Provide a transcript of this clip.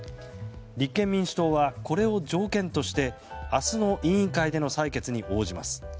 立憲民主党は、これを条件として明日の委員会での採決に応じます。